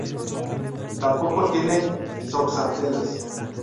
Tampoco tienen zooxantelas.